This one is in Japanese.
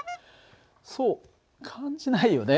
そう感じないよね。